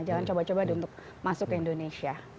jangan coba coba untuk masuk ke indonesia